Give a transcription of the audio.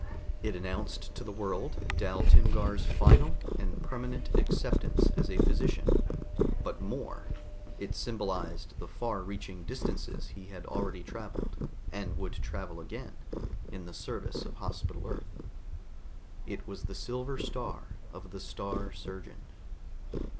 It announced to the world Dal Timgar's final and permanent acceptance as a physician; but more, it symbolized the far reaching distances he had already traveled, and would travel again, in the service of Hospital Earth. It was the silver star of the Star Surgeon.